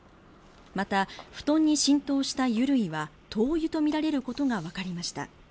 また、布団に浸透した油類は灯油とみられることがわかりました。